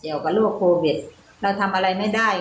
กับโรคโควิดเราทำอะไรไม่ได้